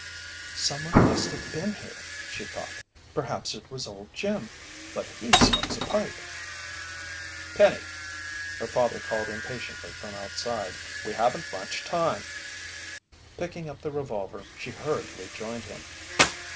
"Someone must have been here," she thought. "Perhaps it was Old Jim, but he smokes a pipe." "Penny!" her father called impatiently from outside. "We haven't much time." Picking up the revolver, she hurriedly joined him.